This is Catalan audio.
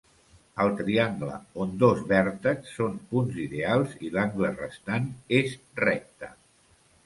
El triangle on dos vèrtexs són punts ideals i l'angle restant és recte.